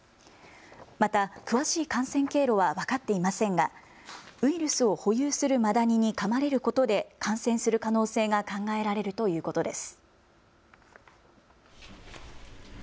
また詳しい感染経路は分かっていませんがウイルスを保有するマダニにかまれることで感染する可能性が考えられるということです。